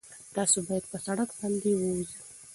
تاسي باید په سړک باندې په ورو ځئ.